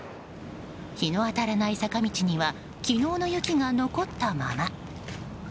日の当たらない坂道には昨日の雪が残ったまま。